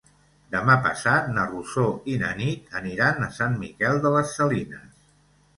Demà passat na Rosó i na Nit aniran a Sant Miquel de les Salines.